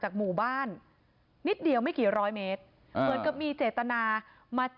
ดำเนินคดีตามขั้นตอนของกฎหมาย